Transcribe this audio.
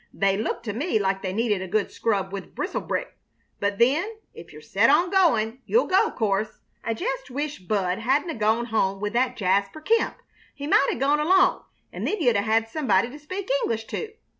They look to me like they needed a good scrub with Bristol brick. But then, if you're set on going, you'll go, 'course. I jest wish Bud hadn't 'a' gone home with that Jasper Kemp. He might 'a' gone along, an' then you'd 'a' had somebody to speak English to."